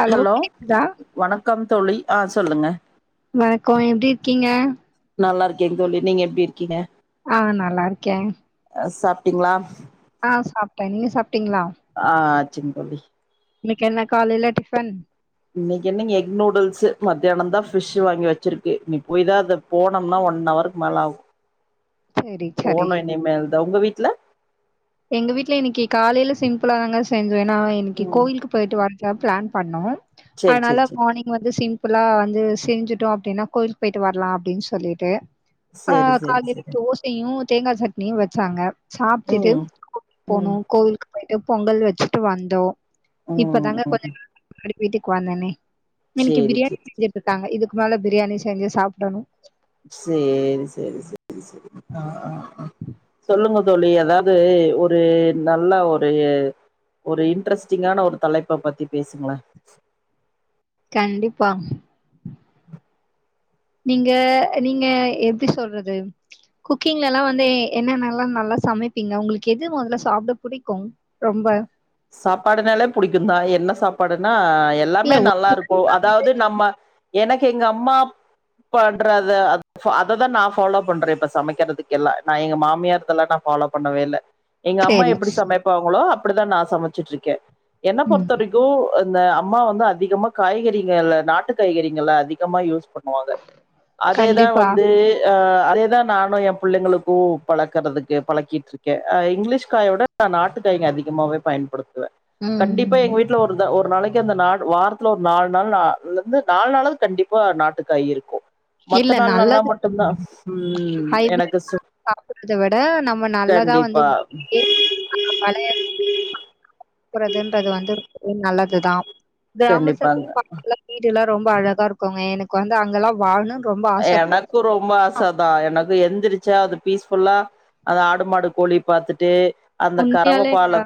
Hello கேக்குதா வணக்கம் தோழி ஆ சொல்லுங்க வணக்கோ எப்டி இருக்கீங்க நல்லா இருக்கேங் தோழி நீங்க எப்டி இருக்கீங்க ஆ நல்லா இருக்கே அ சாப்ட்டீங்களா ஆ சாப்ட்டே நீங்க சாப்ட்டீங்களா ஆச்சிங் தோழி இன்னைக்கி என்ன காலைல டிஃபன் இன்னைக்கு என்னங்க எக் நூடுல்ஸ மத்தியான தான் ஃபிஷ் வாங்கி வெச்சிருக்கு இனி போய்தா அத போனோம்னா ஒன் ஹவருக்கு மேலே ஆகும் செரி செரி போணும் இனி மேல தான் உங்க வீட்டுல எங்க வீட்ல இன்னைக்கு காலையில சிம்பிளா தாங்க செஞ்சோ ஏன்னா இன்னைக்கு ம் கோயிலுக்கு போயிட்டு வர தா பிளான் பண்ணோ சேரி சேரி அதுனால சேரி மார்னிங் வந்து சிம்பிளா வந்து செஞ்சிட்டோ அப்டின்னா கோயிலுக்கு போயிட்டு வரலா அப்டின்னு சொல்லிட்டு ஆ சேரி சேரி காலையில சேரி தோசையு தேங்கா சட்னியு வச்சாங்க சாப்ட்டுட்டு ம் போனு ம் கோவிலுக்கு போயிட்டு பொங்கல் வச்சுட்டு வந்தோ ம் இப்பதாங்க கொஞ்ச ம் நேர படுத் வீட்டுக்கு வந்தோனே இன்னைக்கு சேரி பிரியாணி சேரி செஞ்சுட்டு சேரி இருக்காங்க இதுக்கு மேல பிரியாணி செஞ்சு சாப்பிடணு சேரி செரி செரி செரி அ அ அ சொல்லுங்க தோழி அதாவது ஒரு நல்ல ஒரு ஒரு இன்ட்ரெஸ்டிங்கான ஒரு தலைப்ப பத்தி பேசுங்களே கண்டிப்பா நீங்க நீங்க எப்டி சொல்றது குக்கிங்ல எல்லா வந்து என்னென்னல்லா நல்லா சமைப்பீங்க உங்களுக்கு எது முதல்ல சாப்பிட பிடிக்கும் ரொம்ப சாப்பாடுனாலே புடிக்குந்தா என்ன சாப்பாடுன்னா இல்ல எல்லாமே ஒரு நல்லா இருக்கு அதாவது நம்ம எனக்கு எங்க அம்மா பண்றது அததா நான் ஃபாலோ பண்றே இப்ப சமைக்கிறதுக்கு எல்லா நா எங்க மாமியார் இதல்லா நா ஃபாலோ பண்ணவே இல்ல எங்க அம்மா சேரி எப்படி சமைப்பாங்களோ அப்படிதா நா சமைச்சிட்டு இருக்கே என்ன ம் பொறுத்த வரைக்கு கு இந்த அம்மா வந்து அதிகமா காய்கறிகள நாட்டு காய்கறிகள அதிகமா யூஸ் பண் ணுவாங்க அதேதா கண்டிப்பா வந்து அ அதேதா நானு என் பிள்ளைங்களுக்கு பழக்கறதுக்கு பழக்கிட்டு இருக்கே அ இங்கிலீஷ் காயோட நான் நாட்டுக்காய்ங்க அதிகமாவே பயன்படுத்துவே கண்டிப்பா ம் எங்க வீ ட்ல ஒரு ஒரு நாளைக்கு அந்த நா வாரத்துல ஒரு நாலு நாள் நாலு நாளாது கண்டிப்பா நாட்டுக்காய் இருக்கு மத்த இல்ல நாள் நல்லா நல்லது மட்டுந்தா ம் எனக்கு அத விட நம்ம நல்லதா வந்து கண்டிப்பா வீட்லயே பழைய [inaudible] றதுன்றது வந்து ரொம்பவே நல்லதுதா கிராம கண்டிப்பாங்க [unintelligible] ல்லா வீடு எல்லா ரொம்ப அழகா இருக்குங்க எனக்கு வந்து அங்கெல்லா வாழணு எனக்கு ரொம்ப ஆச சதா எனக்கு எந்திரிச்சா அது பீஸ் ஃபுல்லா அந்த ஆடு மாடு கோழி பாத்துட்டு அந்த கறவ உண்மையாலேங்க. பால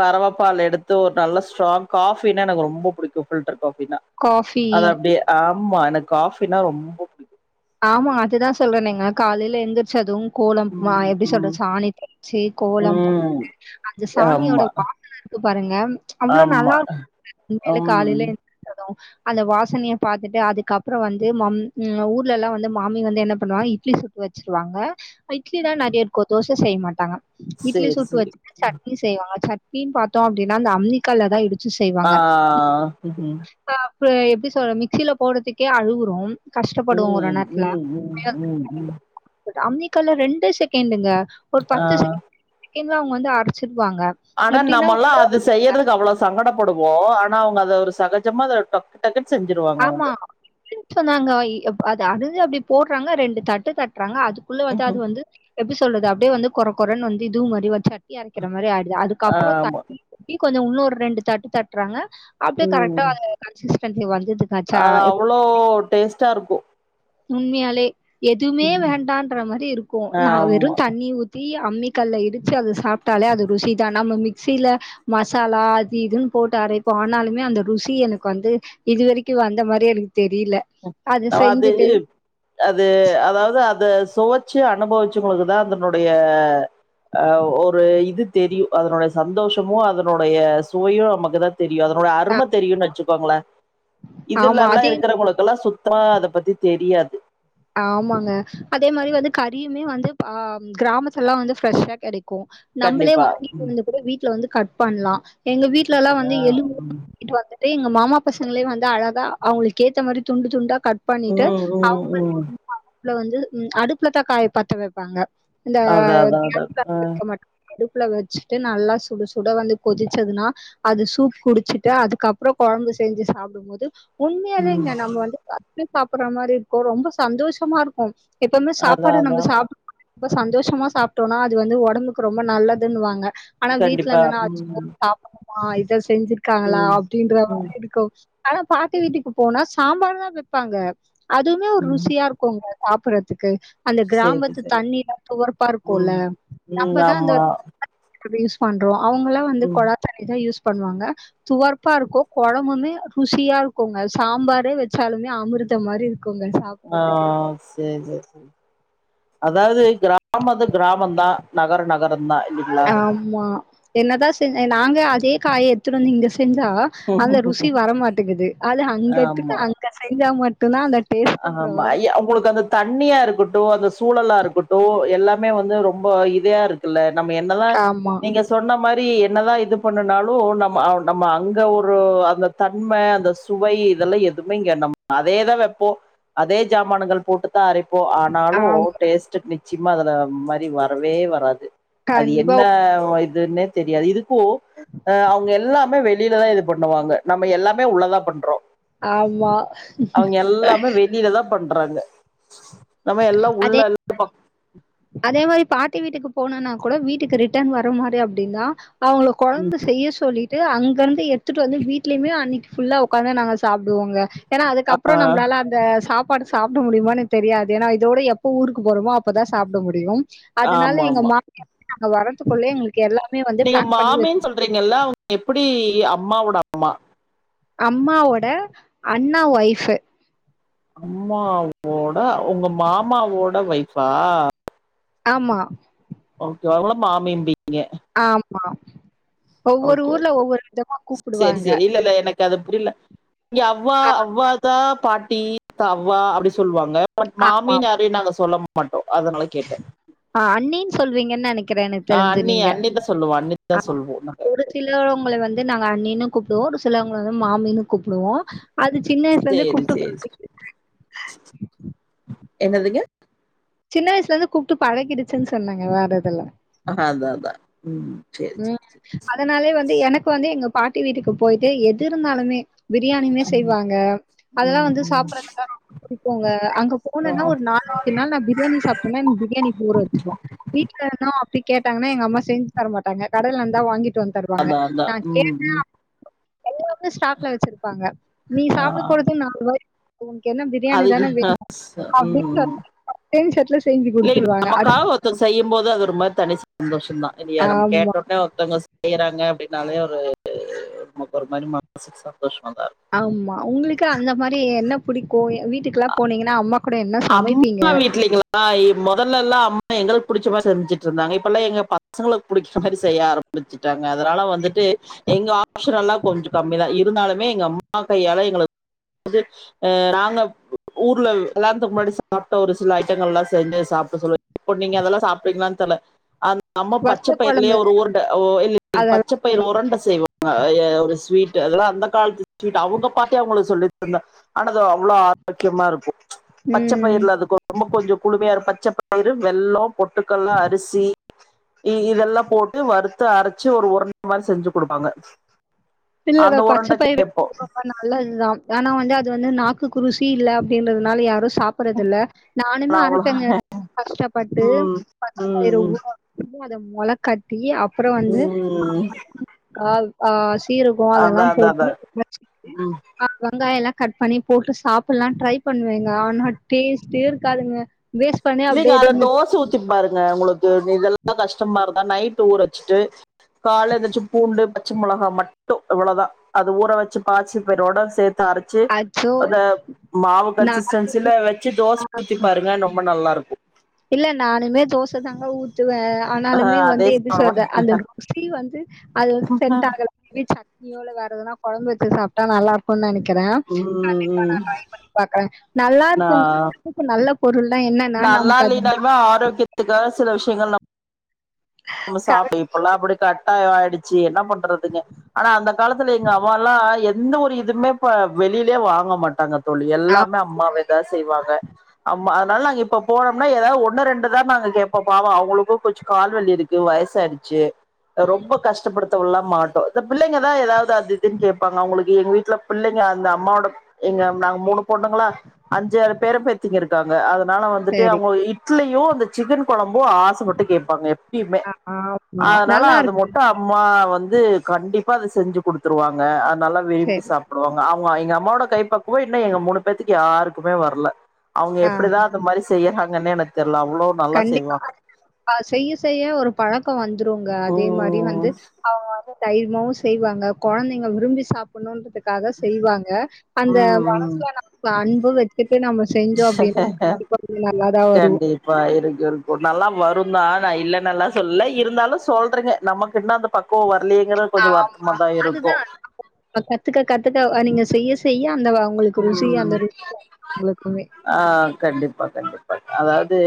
கரவப்பால் எடுத்து ஒரு நல்ல ஸ்ட்ராங் காஃபினா எனக்கு ரொம்ப பிடிக்கு ஃபில்டர் காஃபினா காஃபி. அது அப்டியே ஆமா எனக்கு காஃபினா ரொம்ப புடிக்கு ஆமா அதுதா சொல்றே நீங்க காலைல எந்திர்ச்சது கோலம் வ ம் எப்டி ம் சொல்றது சாணி தெளிச்சு கோலம் போ ம் ட்டு அந்த சாணியோட ஆமா வாசன இருக்கு பாருங்க அவ்ளோ ஆமா நல்லாருக் கு நீங்களு ம் காலையே எந்தி ரிச்சது அந்த வாசனைய பாத்துட்டு அதுக்கப்ற வந்து மம் அ ஊர் லெல்லா வந்து மாமி வந்து என்ன பண்ணுவாங்க இட்லி சுட்டு வச்சுருவாங்க அ இட்லி தா நெறைய இருக்கு தோச செய்ய மாட்டாங்க இட்லி சேரி சுட்டு சேரி வெச்சுட்டு சட்னி செய்வாங்க சட்னினு பாத்தோ அப்டினா அந்த அம்மிக்கல்ல தா இடிச்சு ஆ செய்வாங்க ம் பா இப்ப எப்டி சொல்றது மிக்சில போட்றத்துக்கே அழுகுரோ கஷ்ட ம் ம் ம் ம் ம் அமமிக்கல்லு ரெண்டே செகண்டுங்க ஒரு ஆ பத்து செக செகண்ட்ல அவ்ங்க வந்து அரைச்சிருவாங்க ஆனா எப்டின்னா நம்மலா அது செய்யறதுக்கு அவ்வளோ சங்கடப்படுவோ ஆனா அவ்ங்க அத ஒரு சகஜமா அத டக் டக்குன் செஞ்சுருவா ஆமா ம் சொன்னாங்க ஐ அப் அது அணுக அப்டி போட்றாங்க ரெண்டு தட்டு தட்றாங்க அது குள்ள வந்து அது ம்ஹ்ம். வந்து எப்டி சொல்றது அப்டியே வந்து கொர கொரனு வந்து இதுவு மாரி வந் சட்னி அரைக்கிற மாரி ஆய்டுது அது க்கப்றோ ஆமா தண்ணி ஊத்தி கொஞ்ச உன்ன ஒரு ரெண்டு தட்டு தட்றாங்க அப்டியே ம் கரெக்டா கன்சிஸ்டன்சி வந்துடு அது அவளோ டேஸ்ட்டா இருக்கு உண்மையாலே எதுமே வேண்டான்ற மாரி இருக்கு நா வெறு ஆமா தண்ணி ஊத் த்தி அம்மி கல்ல இடிச்சு அத சாப்ட்டாலே அது ருசி தா நம்ம மிக்சில மசாலா அது இதுன் போட்டு அரைப்போ ஆனாலுமே அந்த ருசி எனக்கு வந்து இதுவரைக் க்கு வந்த மாரி எனக்கு தெரியல அத அது செஞ்சுட்டு அது அதாவ்து அத சொவச்சு அனுபவிச்சவ்ங்களுக்குதா அதனுடைய அ ஒரு இது தெரியு அதனுடைய சந்தோஷமு அதனுடைய சுவையு நமக்கு தா தெரியு அதனுடைய அரும தெரியுன் வெச்சுக்கோங்களே ஆமா இதுலலா அதே இருக்கிறவ்ங்களுக் கெல்லா சுத்தறா அத பத்தி தெரியாது ஆமாங்க அதே மாரி வந்து கறியுமே வந்து ஆம் கிராமத்துலலா வந்து ஃப்ரெஷ்ஷா கெடைக்கு நம்மளே கண்டிப்பா வாங்கிட்டு வந்து கூட வீட்ல வந்து கட் பண்லா எங்க வீட்லலா வந்து ஆ எலும்பு ம் வாங்கிட்டு வந்து ட்டு எங்க மாமா பசங்களே வந்து அழகா அவ்ங்களுக்கு ஏத்த மாரி துண்டு துண்டா கட் பண்ணிட்டு ம் ம் அவ்ங்களுக் ம் ப்புல வந்து ம் அடுப்புலதா காய பத்த வெப்பாங்க இந்த அதா அதா அதா கேஸ்ல ஆ வெக்க மாட்டோ அடுப்புல வெச்சுட்டு நல்லா சுட சுட வந்து கொதிச்சதுனா அது சூப் குடிச்சிட்டு அதுக்கப்றோ கொழம்பு செஞ்சு சாப்டும்போது ம் உண்மையாலேங்க நம்ம வந்து சப்பி சாப்பிட்ற மாரி இருக்கு ரொம்ப சந்தோஷமா இருக்கு எப்பவுமே அதா சாப்பாடு அதா நம்ம சாப்ட்டு அத சந்தோஷமா சாப்ட்டோனா அது வந்து ஒடம்புக்கு ரொம்ப நல்லதுன்வாங்க ஆனா வீட்ல கண்டிப்பா இருந்தனா வெச்சு வேற ம் சாப்புட்ணுமா இத செஞ்சிருக்காங்களா ம் அப்டின்ற ம் மாரி இருக்கு ஆனா பாட்டி வீட்டுக்கு போனா சாம்பார் தா வெப்பாங்க அதுவுமே ஒரு ரு ம் சியா இருக்குங்க சாப்பிட்றத்துக்கு அந்த சேரி கிராமத்து சேரி தண்ணிலா துவர்ப்பா இருக்குல்ல ம் ம் நம்மதா அந்த ஆமா அது யூஸ் பண்றோ அவ்ங்களா வந்து ம் கொழாத்தண்ணிதா யூஸ் பண்ணுவாங்க துவர்ப்பா இருக்கு கொழம்புமே ருசியா இருக்குங்க சாம்பாரே வெச்சாலுமே அமிர்தம் மாரி இருக்குங்க சாப் ஆ சேரி சேரி சேரி அதாவ்து கிராம வந்து கிராமந்தா நகர நகரந்தா இல்லைங்களா ஆமா என்னதா செ நாங்க அதே காய எடுத்துனு வந்து இங்க செஞ்சா அந்த ருசி வரமாட்டேங்குது அது அங்கக்கு ஆமா அங்க செஞ்சா மட்டும்தா அந்த டேஸ்ட்ன்ற ஆமா மாரி ஏ உங்களுக்கு அந்த தண்ணியா இருக்கட்டு அந்த சூழலா இருக்கட்டு எல்லாமே வந்து ரொம்ப இதையா இருக் கில்ல நம்ம என்ன தா ஆமா. நீங்க சொன்ன மாரி என்னதா இது பண்ணுனாலு நம்ம நம்ம அங்கே ஒரு அந்த தன்ம அந்த சுவை இதெல்லா எதுவுமே இங்க நம்ம அதேதா வெப்போ அதே சாமான்கள் போட்டுதா அரைப்போ ஆனாலு ஆமா. டேஸ்ட் சிம்ம அதுல மாரி வரவே வராது அது கண்டிப்பா. என்ன இதுன்னே தெரியாது இதுக்கு அ அவுங்க எல்லாமே வெளியிலதா இது பண்ணுவாங்க நம்ம எல்லாமே உள்ளதா பண்றோ ஆமா. அவுங்க எல்லாமே வெளியில தா பண்றாங்க நம்ம எல்லா உள்ள அதே எல்லா ப அதே மாரி பாட்டி வீட்டுக்கு போனுன்னா கூட வீட்டுக்கு ரிட்டர்ன் வர மாரி அப்டி தா அவுங்கள கொழம்பு செய்ய சொல்லி ட்டு அங்கிருந்து எடுத்துட்டு வந்து வீ்ட்லயுமே அன்னைக்கி புல்லா உக்காந்து நாங்க சாப்புடுவோங்க ஏன்னா ஆ அதுக்கப்புறம் நம்மளால அந்த சாப்பாடு சாப்புட முடியுமானு தெரியாது ஏன்னா இதோட எப்ப ஊருக்கு போறோமோ அப்பதா சாப்புட முடியும் அதனால ஆமா எங்க ஆமா மாமிய வந்து நாங்க வரத்துக் குள்ளயே எங்களுக்கு எல்லாமே வந்து பேக் பண்ணி நீங்களா வந் எப்டி அம்மாவோட அம்மா அம்மாவோட அண்ணா ஒய்ஃபு அம்மாவோட உங்க மாமாவோட ஒய்ஃபா ஆமா ஓகே அவங்கள மாமிபிங்க ஆமா ஒவ்வொரு ஊர்ல ஒவ்வொரு விதமா கூப்புடுவாங்க க்கது புரியல இங்க அவ்வா அவ்வா தா பாட்டி அவ்வா அப்டி சொல்லுவாங்க பட் ஆமா மாமின்னு யாரையு நாங்க சொல்ல மாட்டோ அதனால கேட்டே அ அண்ணின்னு சொல்வீங்கன்னு நெனைக்கிறே எனக்கு ஆ தெரிஞ்சு அண்ணி நீங்க அண்ணிதா சொல்லுவோ அண்ணிதா [unintelligible] சொல்லுவோ நாங்க சிலவங்கள வந்து நாங்க அண்ணினு கூப்புடுவோ ஒரு சிலவங்கள வந்து மாமினு கூப்புடுவோ அது சின்ன வயசுலருந்து சேரி கூப்ட்டு சேரி என்னதுங்க சின்ன வயசுல இருந்து கூப்ட்டு பழகிடுச்சு சொன்னேங்க வேற எதுவு இல்ல அ அதா அதா ம் சேரி சேரி ம் சேரி அதனாலேயே வந்து எனக்கு வந்து எங்க பாட்டி வீட்டுக்கு போயிட்டு எது இருந்தாலுமே பிரியாணிமே செய்வாங்க அதெல்லா ம் வந்து ம் சாப்பறதுக்காக குடுப்பாங்க அங்க போனன்னா ம் ஒரு நாலஞ்சு நாள் பிரியாணி சாப் சுமன் பிரியாணிக்கி ஊறவச்சுருவோ வீட்ல இருந்தோ அப்டி கேட்டங்கன்னா எங்க அம்மா செஞ்சு தரமாட் டாங்க கடைல இருந்தா வாங்கிட்டு வந்து தருவாங்க அதா அதா நா ம் கேட்டா ம் எல்லாமே ஸ்டாக்ல வச்சிருப்பாங்க நீ சாப்புட ஆ போறது நாலு வாய் உனக்கு என்ன பிரியாணி அது தானே வேணு அப்டின்னு ம் சொல்லி அப்டியே [unintelligible] செஞ்சு குடுத்துருவாங்க அரிசி செய்யும்போது அது ரொம்ப மாரி தனி சந்தோஷம் தா இல்லயா நம்ம ஆமா, கேட்டோனே ஒருத்தவங்க செய்யறாங்க அப்டின்னாலே ஒரு ஒரு மாரி மனசுக்கு சந்தோஷமா தா இருக்கு ஆமா உங்களுக்கு அந்த மா ரி என்ன புடிக்கு வீட்டுக்கெல்லா போனீங்கன்னா அம்மா கூட என்ன சமைப்பீங்க ஆ மொதல்ல எல்லா அம்மா எங்களுக்கு புடிச்ச மாதி செஞ்சுட்டு இருந்தாங்க இப்ப எல்லா எங்க பசங்களுக்கு புடிக்கற மாரி செய்ய ஆரம் பிச்சுட்டாங்க அதனால வந்துட்டு எங்க ஆப்சனெல்லா கொஞ்ச கம்மிதா இருந்தாலுமே எங்க அம்மா கையால எங்களு வந்து ஆ நாங்க ஊர்ல எல்லா வரதுக்கு முன்னாடி சாப்புட்டா ஒரு சில ஐட்டங்கள் எல்லா செஞ்சு சாப்புடா சொல்லி இப்ப நீங்க அத எல்லா சாப்புடுவிங்களானு தெர்ல அந் நம்ம வத்த பச்சை பயிரலயே குழம்பு ஒரு உருண்டா ஓ இல்லாங் அதெல்லாம் பச்சைப்பயிர் உருண்ட நல்லாருக்கும். செய்வே ஆ ஏ ஒரு ஸ்வீட் அத எல்லா அந்த காலத்து ஸ்வீட் அவுங்க பாட்டி அவுங்களுக்கு சொல்லி தந்தா அட அது அவ்வுளே ஆரோக்கியமா இருக்கு பச்சை ம். பயிர்ல அதுக்கு ரொம்ப கொஞ்சே குளுமையா இரு பச்சை பயிரு வெள்ளம் பொட்டுக்கடல அரிசி இ இத எல்லா போட்டு வறுத்து அரைச்சு ஒரு உருண்டா மாறி செஞ்சு கொடுப்பாங்க அந்த உருண்டைக்கு கேப்போ நல்லது தா ஆனா வந்து அது வந்து நாக்கு குருசி இல்ல அப்புடின்றது னால யாரு சாப்ப பறது இல்ல நானுமே நான் அரை அவ்வளோ பங்க கஷ்டப்பட்டு ம் பச்சப்பயிர ம் ஊற அத மொள கட்டி அப்புறே வந்து ம் ஆ ஆ சீர ஓ அத எல்லா அதான் அதான் போட்டு அதான் அரைச்சிட்டு ம். வெங்காயம் எல்லா கட் பண்ணி போட்டு சாப்பிடலா ட்ரை பண்ணுவாங்க ஆனா டேஸ்ட் இருக்காதுங்க வேஸ்டு இல்லைங்க அதுல தோசை ஊத்தி பாருங்க உங்களுக்கு இத எல்லா கஷ்டமா இருந்தா நைட்டு ஊற வச்சிட்டு காலையில எந்துருச்சு பூண்டு பச்சை மிளகா மட்டு இவ்வளதா அத ஊற வச்சு பச்சி பயிரோட சேர்த்து அரை ச்சு அச்சோ அத மாவு நா கன்சிஸ்டன்சில வச்சு தோசை ஊத்தி பாருங்க ரொம்ப நல்லா இருக்கும் இல்ல நானுமே தோசை தாங்க ஊ த்துவே ஆ ஆனாலுமே அதே வந்து எப்புடி சாப்ட சொல்றது அந்த ருசி வந்து அது வந்து செட் ஆகல சட்னியோட வேற ஏதனா குழம்பு வச்சு சாப் டா நல்லா இருக்கும்னு நினைக்கிறே ம் கண்டிப்பா நா ம் ட்ரை பண்ணி பாக்குறே நல்லா நா இருக்கு நல்ல பொருள் தா என்ன என்னா நமக் இந்த தடவ ஆரோக்கியத்துக்கா சில விஷயங்கள் நம் நம்ம சாப்பிட கரெக்ட் இப்ப எல்லா அப்புடி கட்டாய ஆயிடுச்சு என்ன பண்றதுங்க ஆனா அந்த காலத்துல எங்க அம்மா எல்லா எந்த ஒரு இதுமே இப்ப வெளியிலயே வாங்க மாட்டாங்க தோழி ஆ எல்லாமே அம்மாவே தா செய்வாங்க அம் மா அதனால நாங்க இப்ப போனோம்னா ஏதாவது ஒன்னு ரெண்டு தா நாங்க கேட்பே அ அவுங்களுக்கு கால்வலி இரு க்குது வயசாயிடுச்சு ரொம்ப கஷ்டப்படுத்தவல்லா மாட்டோ இந்த பிள்ளைங்கதா ஏதாவது அதித்தின்னு கேட்பாங்க அவுங்களுக்கு எங்க வீட்டுல பிள்ளைங்க அந்த அம்மாவோட இங்க நாங்க மூணு பொண்ணுங்களா அஞ்சுறு பேரா பேத் திங்க இருக்காங்க அதனால வந்துட்டு சரி அவுங்க இட்லியு அந்த சிக்கன் குழம்பு ஆசை பட்டு கேட்பாங்க எப் பயுமே ஆ ஆமா அதனால நல்லா அது இருக்கு மட்டு அப் அம்மா வந்து கண்டிப்பா அது செஞ்சு கொடுத்துருவாங்க அத நல்லா விரும்பி சரி சாப் புடுருவாங்க அவுங்க எங்க அம்மாவோட கை பக்கவே இன்னு எங்க மூணு பேத்துக்கு யாருக்குமே வரல அவுங்க எப்படி தா ஆஹா அந்த மாதிரி செய்யறாங்கன்னே எனக்கு தெர்ல அவ்ளோ நல்லா கண்டிப்பா செய்வாங்க ஆ செய்ய செய்ய ஒரு பழக்க வந்துருங்க அதே மாதிரி ம் வந்து அவுங்க வந்து தைரியமு செய்வாங்க குழந்தைங்க விரும்பி சாப்பிடணும்ன்றதுக்காக செய் வாங்க அந்த ம் ம் மனசுல நம்ம அன்பு வச்சட்டு நம்ம செஞ்சோ அப்புடின்ன கண்டிப்பா கொஞ்ச நல்லா தா வரும் கண்டிப்பா இருக்கு இருக்கு நல்லா வருந்தா நா இல்லலைன்னல்லா சொல்லல இருந்தாலு சொல்றேங்க நமக்கு இன்னு அந்த பக் குவே வரலைங்குற ஆ கொஞ்ச வருத்தமாதா இருக்கு அதுதான் கத்துக்க கத்துக்க ஆ நீங்க செய்ய செய்ய அந்த உங்களுக்கு ருசி ம் அந்த ருசி உங்களுக்குமே. ஆ கண்டிப்பா கண்டிப்பா அதாவது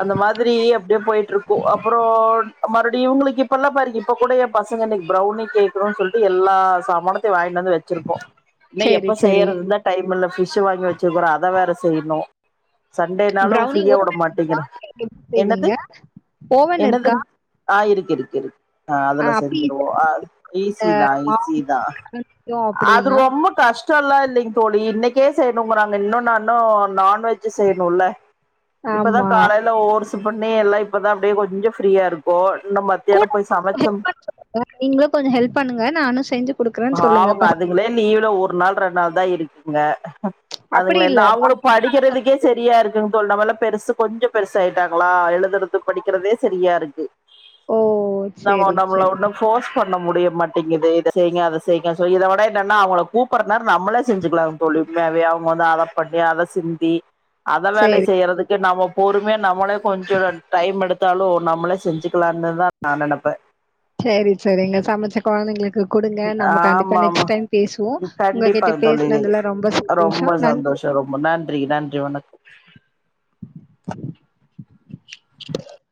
அந்த மாறி அப்புடியே போயிட்டு இருக்கு அப்புறே மறுபடியு இவுங்களுக்கு இப்ப எல்லா பாருக்க இப்ப கூட பசங்க இன்னைக்கு பிரௌனி கேக்கனுன்னு சொல்ட்டு எல்லா ஜாமானத்தயு வாங்கிட்டு வந்து வச் வச்சிருக்கோ ஏன்னா எப்ப சரி, சரி. செய்யறதுந்தா டைம் இல்ல ஃபிஷ்ஷு வாங்கி வச்சுருக்குறோ அத வேற செய்ணு சண்டேனாலு ப்ரௌனி ஃப்ரீயா ஓவன் விட மாட்டீங்க எப்படி என்னது செய்வீங்க? ஓவன் இருக்கா ஆஹ் இருக்கு இருக்கு இருக்கு ஆஹ் ஆ அதுல அப்படி செஞ்சுருவோ ஈஸியா அஹ் ஈசி தா மாவு ஈசி தா அரைச்சிட்டோம் அது அப்டின்னா ரொம்ப கஷ் ல்லா இல்லைங்க தோழி இன்னைக்கே செய்ணுங்கறாங்க இன்னு நா இன்னு நான்வெஜ்ஜு செய்ணுல இப்பதா ஆமா. காலையில ஓர்ஸு பண்ணி எல்லா இப்பதா அப்டியே கொஞ்சோ ஃப்ரீயா இருக்கோ நம்ம மதியானம் போய் சமச்சும் நீங்களு கொஞ்சோ ஹெல்ப் பண்ணுங்க நானு செஞ்சு குடுக்குறேன்னு சொல்லுங்க பாவுங்க பசங்களுக்கு. அதுங்களே லீவ்ல ஒரு நாள் ரெண் நாள் தா இருக்குங்க அப்படி அதுங்கள என்ன இல்ல அவுங்ளு படிக்கிறதுக்கே சரியா இருக்கு சோ நம்மல்ல பெருசு பெருசு கொஞ்சோ பெருசாயிட்டாங்களா எழுதுரது படிக் வெக்கிரதே செரியாருக்கு ஓ! நம்ம சரி, நம்மள சரி. ஒண்ணு ஃபோர்ஸ் பண்ண முடிய மாட்டேங்குது இத செய்ங்க அத செய்ங்க சொல்லி இத விட என்னன்னா அவங்கள கூப்பறநேரோ நம்மளே செஞ்சுக்கலாங்க தோழி உண்மையாவே அவங்க வந்து அத பண்ணி அத செஞ் இ அதெல்லா இல்ல சரி, செய்யறதுக் நம்ம பொறுமையா நம்மளே கொஞ்சோ டைம் எடுத்தாலு நம்மளே செஞ்சுக்கலான்னுதா நா நினப்பே சேரி சேரிங்க சமச்சு குழந்தைங்களுக்கு கொடுங்க நம்ம கண்டிப்பா ஆமா ஆமா நெக்ஸ்ட் டைம் பேசுவோ உங்க கண்டிப்பா கிட்ட தோழி பேசினதுல ரொம்ப சந்தோஷோ ரொம்ப நன்றி சந்தோஷோ ரொம்ப நன்றி நன்றி வணக்